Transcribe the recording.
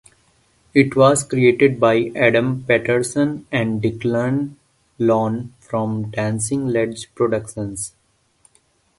It was created by Adam Patterson and Declan Lawn for Dancing Ledge Productions.